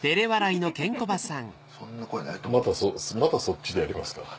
またまたそっちでやりますか。